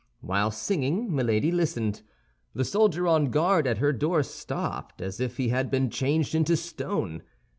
While singing, Milady listened. The soldier on guard at her door stopped, as if he had been changed into stone.